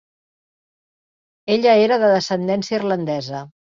Ella era de descendència irlandesa.